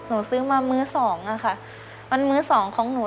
ซื้อมามื้อสองอะค่ะมันมื้อสองของหนู